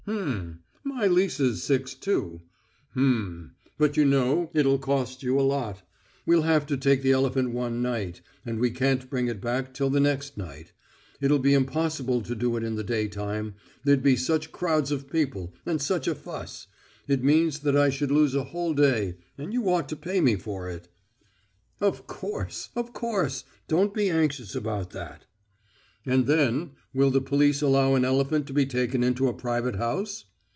"H'm.... My Lisa's six, too. H'm. But you know, it'll cost you a lot. We'll have to take the elephant one night, and we can't bring it back till the next night. It'll be impossible to do it in the day time. There'd be such crowds of people, and such a fuss.... It means that I should lose a whole day, and you ought to pay me for it." "Of course, of course ... don't be anxious about that." "And then: will the police allow an elephant to be taken into a private house?"